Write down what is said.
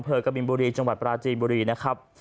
กะบินบุรีจังหวัดปราจีนบุรีนะครับ